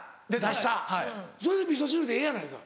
そのみそ汁でええやないか。